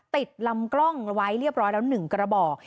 ติดลำกล้องไว้เรียบร้อยแล้ว๑กระบอก